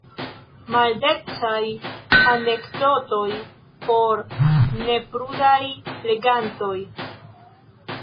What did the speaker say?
Maldecaj anekdotoj por neprudaj legantoj.